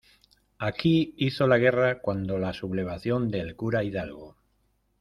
aquí hizo la guerra cuando la sublevación del cura Hidalgo.